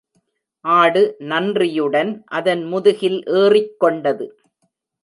ஆடு நன்றியுடன் அதன் முதுகில் ஏறிக் கொண்டது.